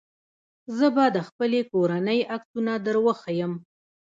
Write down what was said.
زه به د خپلې کورنۍ عکسونه دروښيم.